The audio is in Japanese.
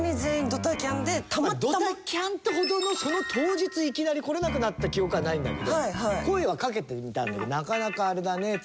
ドタキャンってほどのその当日いきなり来れなくなった記憶はないんだけど声はかけてみたんだけどなかなかあれだねっつって。